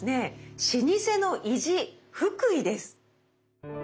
「老舗の意地福井」です。